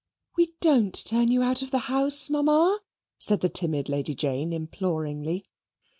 "We don't turn you out of our house, Mamma," said the timid Lady Jane imploringly.